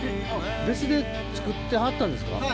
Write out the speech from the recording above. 別で作ってはったんですか？